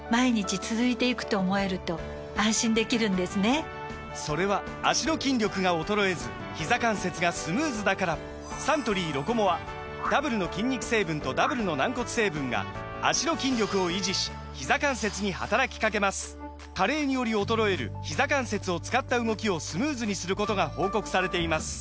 サントリー「ロコモア」・それは脚の筋力が衰えずひざ関節がスムーズだからサントリー「ロコモア」ダブルの筋肉成分とダブルの軟骨成分が脚の筋力を維持しひざ関節に働きかけます加齢により衰えるひざ関節を使った動きをスムーズにすることが報告されています